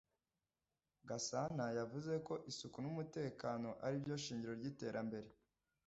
Gasana yavuze ko isuku n’umutekano aribyo shingiro ry’iterambere